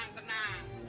tenang tenang tenang